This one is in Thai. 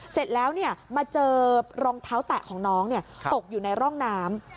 เสร็จแล้วมาเจอรองเท้าแตะของน้องตกอยู่ในร่องน้ำ